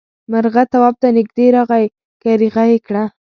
مرغه تواب ته نږدې راغی کريغه یې کړه.